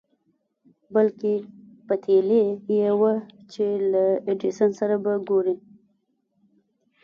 بلکې پتېيلې يې وه چې له ايډېسن سره به ګوري.